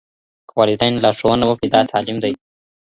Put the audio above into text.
که والدين لارښوونه وکړي دا تعليم دی.